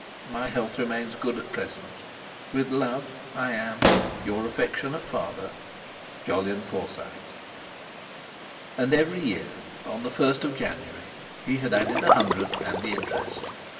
My health remains good at present. "With love, I am, "Your affectionate Father, "JOLYON FORSYTE." And every year on the 1st of January he had added a hundred and the interest.